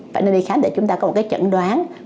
phải nơi đi khám để chúng ta có một cái chẩn đoán